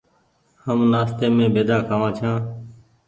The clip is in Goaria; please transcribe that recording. هم نآستي مين بيدآ کآوآن ڇآن ۔